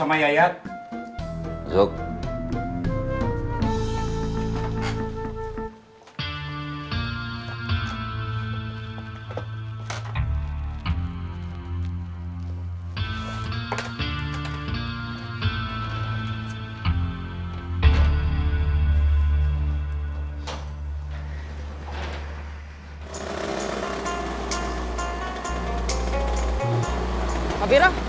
main dulu yuk